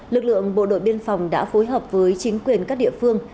lực lượng bộ đội biên phòng đã phối hợp với chính quyền các địa phương